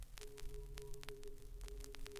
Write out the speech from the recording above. এই ফাঁকে চিঠি লিখলেন তিন্নির বাবাকে।